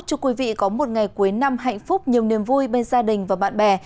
chúc quý vị có một ngày cuối năm hạnh phúc nhiều niềm vui bên gia đình và bạn bè